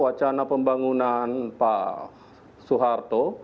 wacana pembangunan pak soeharto